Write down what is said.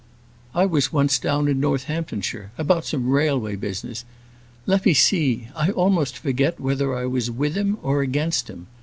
I was once down in Northamptonshire, about some railway business; let me see; I almost forget whether I was with him, or against him.